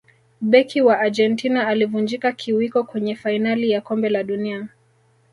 beki wa argentina alivunjika kiwiko kwenye fainali ya kombe la dunia